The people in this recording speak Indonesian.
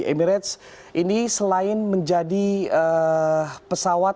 emirates ini selain menjadi pesawat